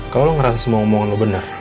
kalau lo ngerasa semua omongan lo benar